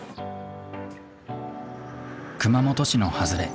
熊本市の外れ。